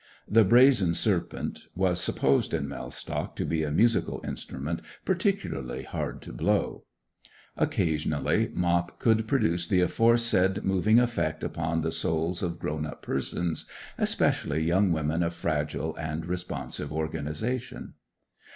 (The brazen serpent was supposed in Mellstock to be a musical instrument particularly hard to blow.) Occasionally Mop could produce the aforesaid moving effect upon the souls of grown up persons, especially young women of fragile and responsive organization.